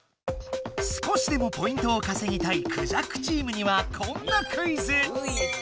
少しでもポイントをかせぎたいクジャクチームにはこんなクイズ。